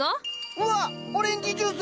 うわっオレンジジュースみたい。